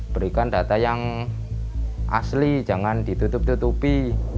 berikan data yang asli jangan ditutup tutupi